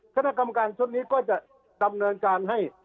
คณะกรรมการชุดนี้ก็จะดำเนินการให้